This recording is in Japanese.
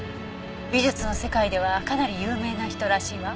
美術の世界ではかなり有名な人らしいわ。